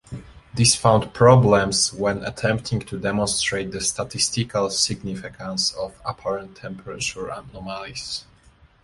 This found problems when attempting to demonstrate the statistical significance of apparent temperature anomalies.